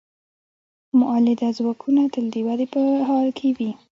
مؤلده ځواکونه تل د ودې په حال کې وي.